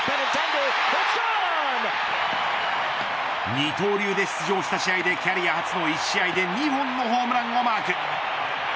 二刀流で出場した試合でキャリア初の１試合で２本のホームランをマーク。